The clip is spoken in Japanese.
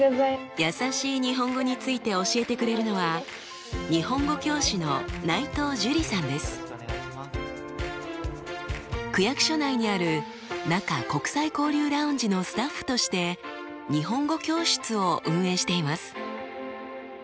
やさしい日本語について教えてくれるのは区役所内にあるなか国際交流ラウンジのスタッフとして日本語教室を運営しています。